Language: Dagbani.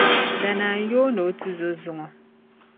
Danaa n-yooni o tuzo zuŋo.